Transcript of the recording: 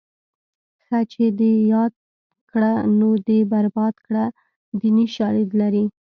ښه چې دې یاد کړه نو دې برباد کړه دیني شالید لري